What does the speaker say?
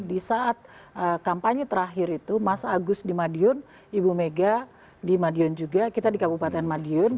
di saat kampanye terakhir itu mas agus di madiun ibu mega di madiun juga kita di kabupaten madiun